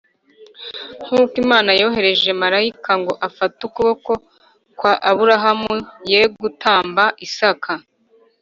Nkuko Imana yohereje Marayika ngo afate ukuboko kwa Aburahamu ye gutamba Isaka